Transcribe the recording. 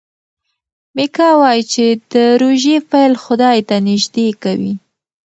میکا وايي چې د روژې پیل خدای ته نژدې کوي.